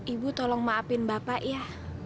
ibu tolong maafin bapak ya